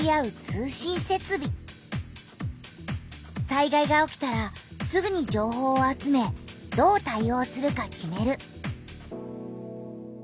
災害が起きたらすぐに情報を集めどう対おうするか決める。